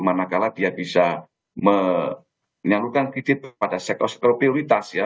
manakala dia bisa menyalurkan kredit pada sektor sektor prioritas ya